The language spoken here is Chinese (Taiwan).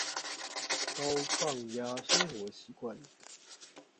高抗壓生活習慣